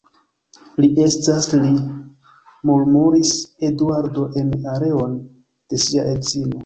Li estas Li, murmuris Eduardo en orelon de sia edzino.